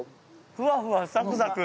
ふわふわサクサク。